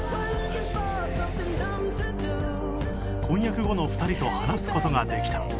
婚約後の２人と話すことができた。